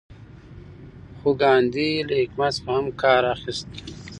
خو ګاندي له حکمت څخه هم کار اخیست.